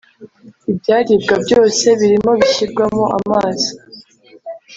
Ibyaribwa byose birimo bishyirwamo amazi